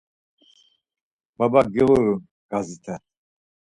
Baba giğurun, gazit̆en.